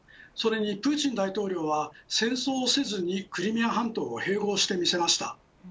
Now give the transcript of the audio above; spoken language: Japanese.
それにプーチン大統領は戦争をせずにクリミア半島を併合してみせました。